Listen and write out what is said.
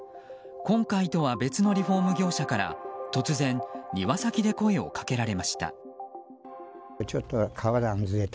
今回とは別のリフォーム業者から突然、庭先で声をかけられました。